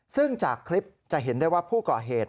ซึ่งจากคลิปจะเห็นได้ว่าผู้ก่อเหตุ